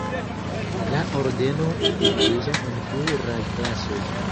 La Ordeno dividiĝas en pluraj klasoj.